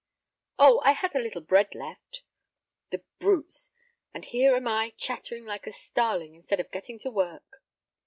"Oh, I had a little bread left." "The brutes! And here am I chattering like a starling instead of getting to work."